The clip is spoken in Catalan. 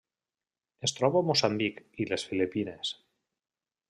Es troba a Moçambic i les Filipines.